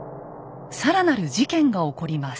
さらなる事件が起こります。